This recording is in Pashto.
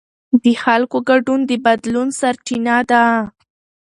د خلکو ګډون د بدلون سرچینه ده